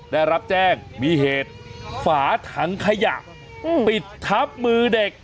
ได้รับแจ้งมีเหตุฝาถังขยะปิดทับมือเด็ก